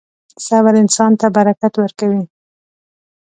• صبر انسان ته برکت ورکوي.